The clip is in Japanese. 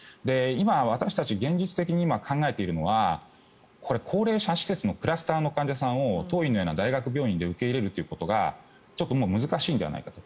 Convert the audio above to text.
私たちが現実的に考えているのはこれ、高齢者施設のクラスターの患者さんを当院のような大学病院で受け入れるということがちょっと難しいのではないかと。